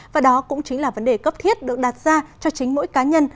và đó cũng chính là vấn đề cấp thiết được đặt ra cho chính mỗi cá nhân